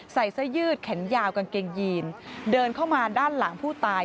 ใส่เสื้อยืดแขนยาวกางเกงยีนเดินเข้ามาด้านหลังผู้ตาย